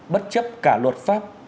bất chấp cả luật pháp